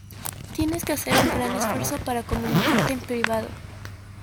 tienes que hacer un gran esfuerzo para comunicarte en privado